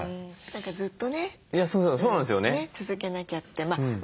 何かずっとね続けなきゃって。